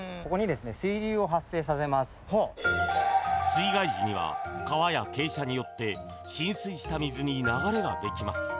水害時には、川や傾斜によって浸水した水に流れができます。